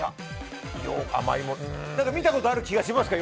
見たことある気がしますか。